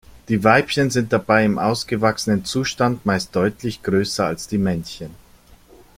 Die Weibchen sind dabei im ausgewachsenen Zustand meist deutlich größer als die Männchen.